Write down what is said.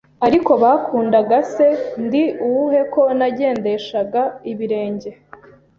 Ariko bankundaga se ndi uwuhe ko nagendeshaga ibirenge,